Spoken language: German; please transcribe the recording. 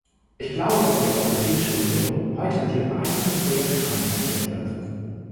Ich glaube, dass die Europäische Union heute mit ihrem eigenen Projekt konfrontiert wird.